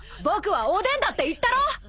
僕はおでんだって言ったろ？